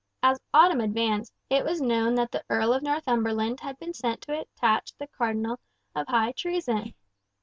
As autumn advanced, it was known that the Earl of Northumberland had been sent to attach the Cardinal of High Treason.